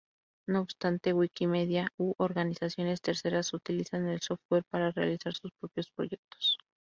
No obstante, Wikimedia u organizaciones terceras utilizan el software para realizar sus propios proyectos.